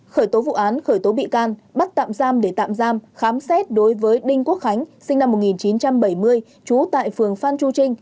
khởi tố vụ án khởi tố bị can bắt tạm giam để tạm giam khám xét đối với đinh quốc khánh sinh năm một nghìn chín trăm bảy mươi trú tại phường phan chu trinh